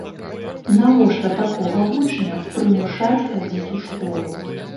Навошта такога вучня прымушаць хадзіць у школу?